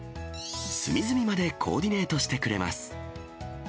隅々までコーディネートしてくれます。